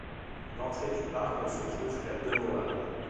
L'entrée du parc ne se trouve qu'à de Moab.